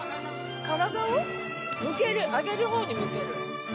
体を向ける上げる方に向ける。